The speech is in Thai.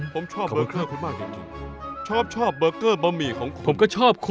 ผมชอบเบอร์เกอร์ของคุณผมชอบเบอร์เกอร์อามูกค่ะ